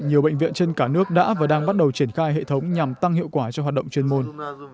nhiều bệnh viện trên cả nước đã và đang bắt đầu triển khai hệ thống nhằm tăng hiệu quả cho hoạt động chuyên môn